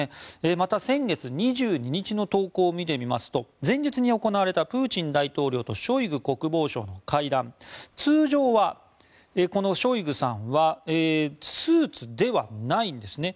また、先月２２日の投稿を見てみますと前日に行われたプーチン大統領とショイグ国防相の会談通常はこのショイグさんはスーツではないんですね。